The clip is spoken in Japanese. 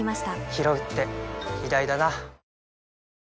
ひろうって偉大だな